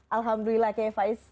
alhamdulillah k h m faiz